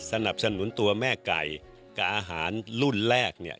สนับสนุนตัวแม่ไก่กับอาหารรุ่นแรกเนี่ย